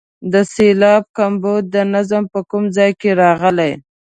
د سېلاب کمبود د نظم په کوم ځای کې راغلی.